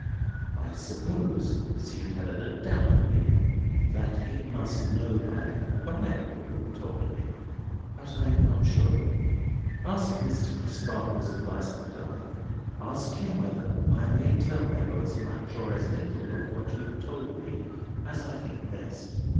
"I suppose," pursued Helena, doubtfully, "that he must know by and by all you have told me; but I am not sure. Ask Mr. Crisparkle's advice, my darling. Ask him whether I may tell Neville as much or as little of what you have told me as I think best."